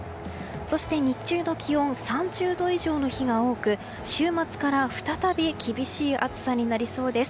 そして、日中の気温３０度以上の日が多く週末から再び厳しい暑さになりそうです。